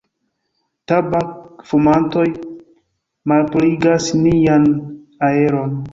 Tabak-fumantoj malpurigas nian aeron.